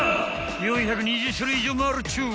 ４２０種類以上もあるっちゅう！］